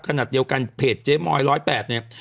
ขณะเดียวกันเพจเจ๊มอย๑๐๘เนี่ย